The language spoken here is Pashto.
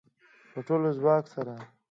په ټول ځواک سره